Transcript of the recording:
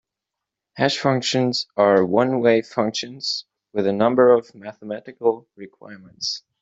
Hash functions are one-way functions with a number of mathematical requirements.